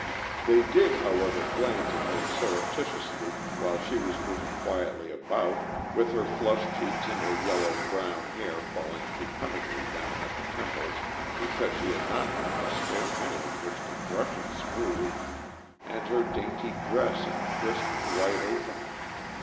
They did, however, glance at her surreptitiously while she was moving quietly about, with her flushed cheeks and her yellow brown hair falling becomingly down at the temples because she had not found a spare minute in which to brush it smooth, and her dainty dress and crisp, white apron.